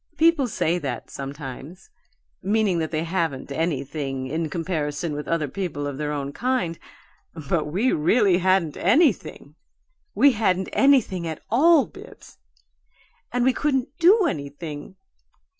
People say that, sometimes, meaning that they haven't anything in comparison with other people of their own kind, but we really hadn't anything we hadn't anything at all, Bibbs! And we couldn't DO anything.